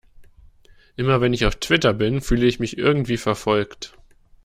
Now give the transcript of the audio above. Immer, wenn ich auf Twitter bin, fühle ich mich irgendwie verfolgt.